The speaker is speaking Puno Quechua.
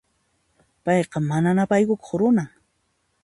Payqa mana ñapaykukuq runan.